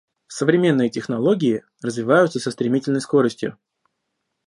Современные технологии развиваются со стремительной скоростью.